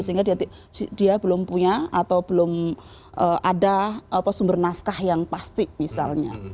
sehingga dia belum punya atau belum ada sumber nafkah yang pasti misalnya